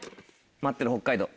待ってろ北海道。